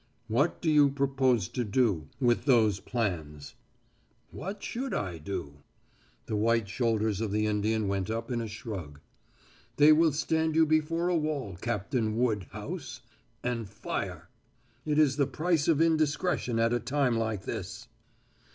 "What do you propose to do with those plans?" "What should I do?" The white shoulders of the Indian went up in a shrug. "They will stand you before a wall, Cap tain Wood house. And fire. It is the price of in discretion at a time like this."